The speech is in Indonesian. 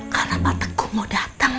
karena pak teguh mau datang